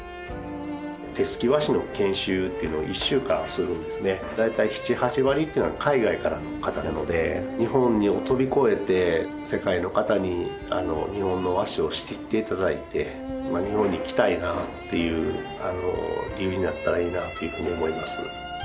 手すき和紙の研修っていうのを１週間するんですね大体７８割っていうのは海外からの方なので日本を飛び越えて世界の方に日本の和紙を知っていただいて日本に来たいなっていう理由になったらいいなと思います